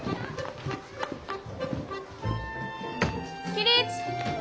起立！